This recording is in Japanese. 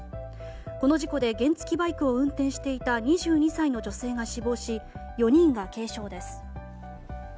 この事故で原付きバイクを運転していた２２歳の女性が死亡し４人が軽傷です。